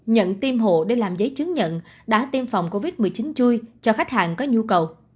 nhận tiêm hộ để làm giấy chứng nhận đã tiêm phòng covid một mươi chín chui cho khách hàng có nhu cầu